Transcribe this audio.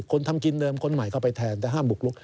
ทำกินเดิมคนใหม่เข้าไปแทนแต่ห้ามบุกลุก